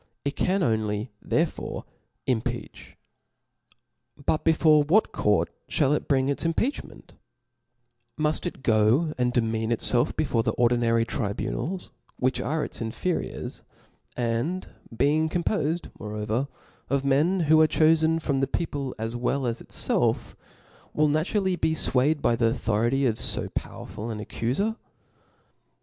It can only therefore impeach. But before what court (hall it bring its impeachment; muft it go and demean, it&lf before the ordinary tribunals which are its inferiors, and being compofed moreover of men who are chofen from the people as well as itfelf, will naturally be fwayed by the authority of fo pow erful an accufer